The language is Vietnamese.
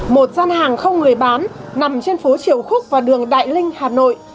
một gian hàng không người bán nằm trên phố triều khúc và đường đại linh hà nội